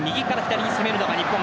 前半、右から左に攻めるのが日本。